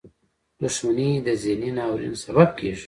• دښمني د ذهني ناورین سبب کېږي.